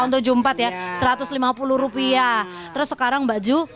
tahun seribu sembilan ratus tujuh puluh empat ya rp satu ratus lima puluh terus sekarang mbak ju